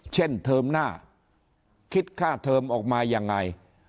เทอมหน้าคิดค่าเทอมออกมายังไง